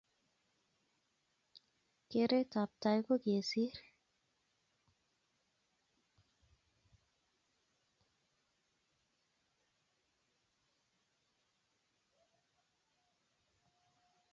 keretab tai ko kesir